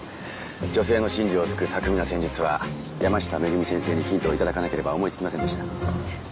女性の心理を突く巧みな戦術は山下めぐみ先生にヒントを頂かなければ思いつきませんでした。